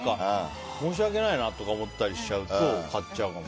申し訳ないなとか思ったりすると買っちゃうかも。